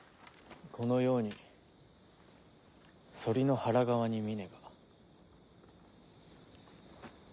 このように反りの腹側に峰が。